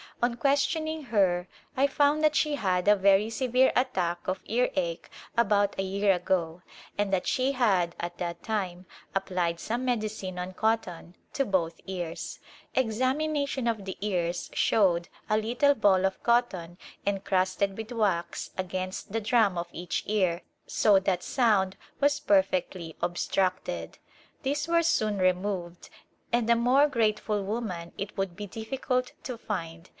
On questioning her I found that she had a very severe attack of ear ache about a year ago and that she had, at that time, applied some medicine on cotton to both ears. Ex amination of the ears showed a little ball of cotton encrusted with wax against the drum of each ear so A Favorable Introduction that sound was perfectly obstructed. These were soon removed and a more grateful woman it would be difficult to find.